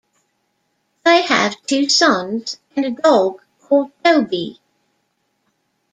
They have two sons, and a dog called Toby.